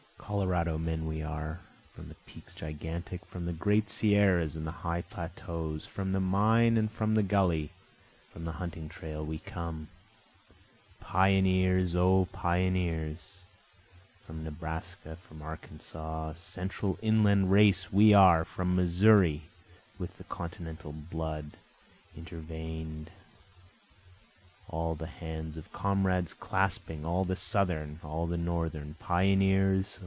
Colorado men are we, From the peaks gigantic, from the great sierras and the high plateaus, From the mine and from the gully, from the hunting trail we come, Pioneers! O pioneers! From Nebraska, from Arkansas, Central inland race are we, from Missouri, with the continental blood intervein'd, All the hands of comrades clasping, all the Southern, all the Northern, Pioneers!